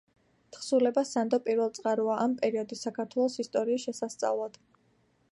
თხზულება სანდო პირველწყაროა ამ პერიოდის საქართველოს ისტორიის შესასწავლად.